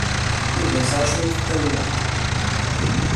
Yuba yesɛa cwiṭ n tawla.